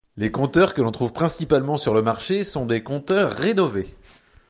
Les compteurs que l’on trouve principalement sur le marché sont des compteurs rénovés.